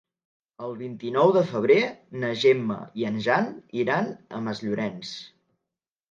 El vint-i-nou de febrer na Gemma i en Jan iran a Masllorenç.